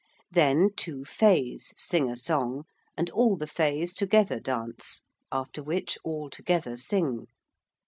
Then two Fays sing a song and all the Fays together dance, after which all together sing.